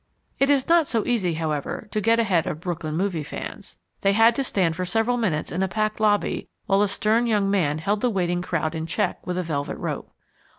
It is not so easy, however, to get ahead of Brooklyn movie fans. They had to stand for several minutes in a packed lobby while a stern young man held the waiting crowd in check with a velvet rope.